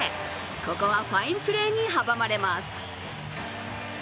ここはファインプレーに阻まれます。